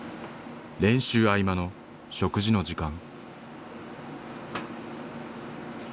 練習合間の食事の時間。